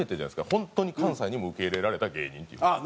本当に関西にも受け入れられた芸人っていうのは。